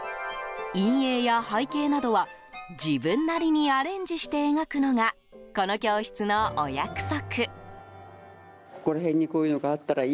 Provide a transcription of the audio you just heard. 陰影や背景などは自分なりにアレンジして描くのがこの教室のお約束。